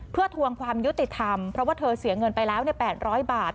เพื่อทวงความยุติธรรมเพราะว่าเธอเสียเงินไปแล้ว๘๐๐บาท